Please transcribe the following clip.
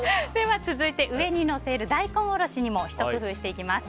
続いて、上にのせる大根おろしにもひと工夫していきます。